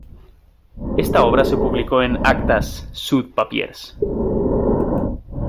Esta obra se publicó en Actes Sud-Papiers.